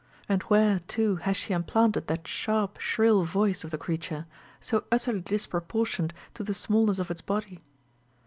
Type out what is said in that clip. And where, too, has she implanted that sharp shrill voice of the creature, so utterly disproportioned to the smallness of its body